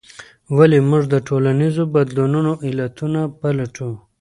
ولې موږ د ټولنیزو بدلونونو علتونه پلټو؟